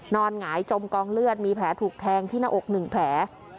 นอนหายจมกองเลือดมีแผลถูกแทงที่หน้าอกหนึ่งแผล